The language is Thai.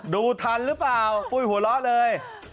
ดูทันหรือเปล่าปุ้ยหัวเราะเลย